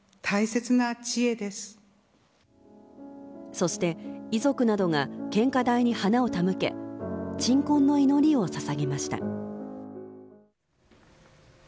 そして遺族などが献花台に花を手向け鎮魂の祈りを捧げました。